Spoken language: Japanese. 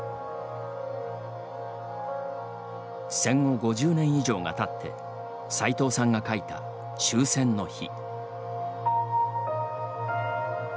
戦後５０年以上がたってさいとうさんがかいた「終戦の日」。